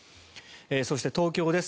そして、東京です。